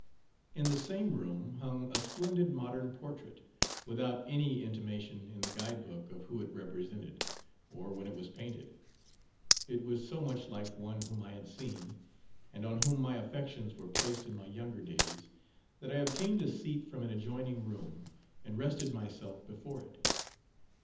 In the same room hung a splendid modern portrait, without any intimation in the guide book of who it represented, or when it was painted. It was so much like one whom I had seen, and on whom my affections were placed in my younger days, that I obtained a seat from an adjoining room and rested myself before it.